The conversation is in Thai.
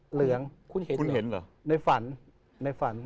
เหลืองในฝัน